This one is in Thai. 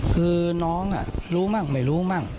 คือน้องรู้หรือไม่รู้บ้าง